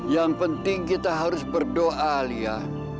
yang penting kita harus berdoa alia